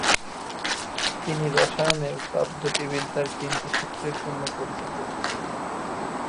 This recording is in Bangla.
তিনি রাসায়নের তাপগতিবিদ্যার তিনটি সূত্রের জন্য পরিচিত।